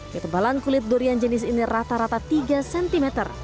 ketebalan kulit durian jenis ini rata rata tiga cm